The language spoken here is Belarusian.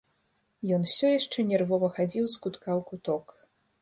Ён усё яшчэ нервова хадзіў з кутка ў куток.